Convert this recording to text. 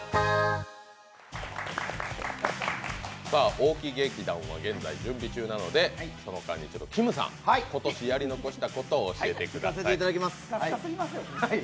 大木劇団は現在準備中なのでその間にきむさん、今年やり残したことを教えてください。